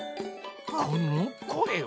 このこえは？